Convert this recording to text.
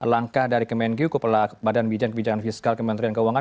langkah dari kemengyu kepala badan kebijakan fiskal kementerian keuangan